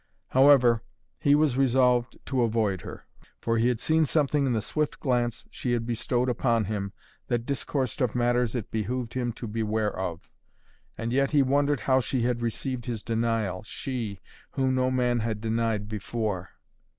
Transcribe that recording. However, he was resolved to avoid her, for he had seen something in the swift glance she had bestowed upon him that discoursed of matters it behooved him to beware of. And yet he wondered how she had received his denial, she, whom no man had denied before.